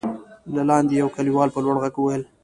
له لاندې يوه کليوال په لوړ غږ وويل: